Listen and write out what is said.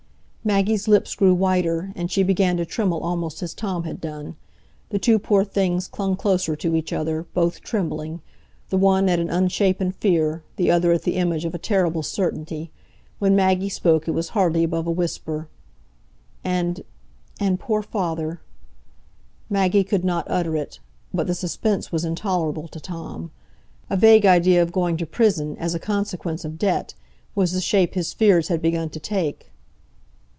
Maggie's lips grew whiter, and she began to tremble almost as Tom had done. The two poor things clung closer to each other, both trembling,—the one at an unshapen fear, the other at the image of a terrible certainty. When Maggie spoke, it was hardly above a whisper. "And—and—poor father——" Maggie could not utter it. But the suspense was intolerable to Tom. A vague idea of going to prison, as a consequence of debt, was the shape his fears had begun to take.